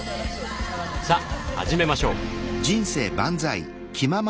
さあ始めましょう。